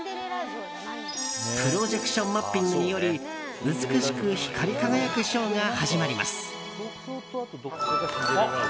プロジェクションマッピングにより美しく光り輝くショーが始まります。